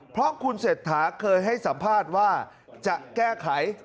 เพราะคุณเศรษฐาเคยให้สัมภาษณ์ว่าจะแก้ไข